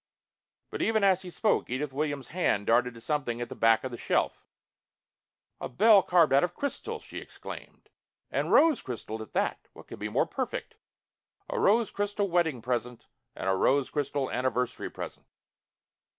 But even as he spoke, Edith Williams' hand darted to something at the back of the shelf. "A bell carved out of crystal!" she exclaimed. "And rose crystal at that. What could be more perfect? A rose crystal wedding present and a rose crystal anniversary present!"